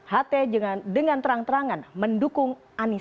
ht dengan terang terangan mendukung anies